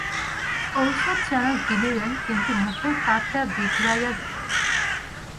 ঔষধ যেন গিলিলেন কিন্তু মুখের তারটা বিগড়াইয়া গেল।